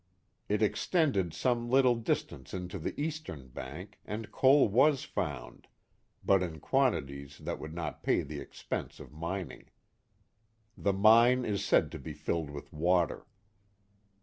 It extended some little distance into the eastern bank, and coal was found, but in quantities that would not pay the expense of mining. The mine is said to be filled with water.